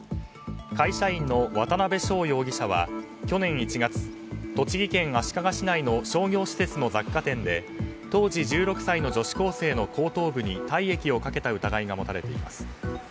会社員の渡辺将容疑者は去年１月栃木県足利市内の商業施設の雑貨店で当時１６歳の女子高生の後頭部に体液をかけた疑いが持たれています。